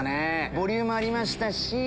ボリュームありましたし。